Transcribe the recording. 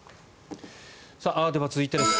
では、続いてです。